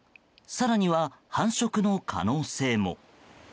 更には、繁殖の可能性も。